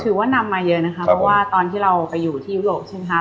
ถือว่านำมาเยอะนะคะเพราะว่าตอนที่เราไปอยู่ที่ยุโรปใช่ไหมคะ